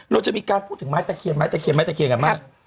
เราจะมีการพูดถึงไม้ตะเคียนไม้ตะเคียนไม้ตะเคียนกันไหม